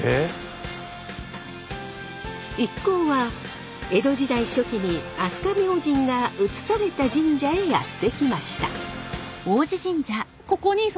一行は江戸時代初期に飛鳥明神が移された神社へやって来ました。